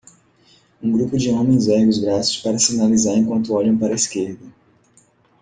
Um grupo de homens ergue os braços para sinalizar enquanto olham para a esquerda.